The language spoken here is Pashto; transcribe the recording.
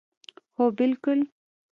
هو بلکل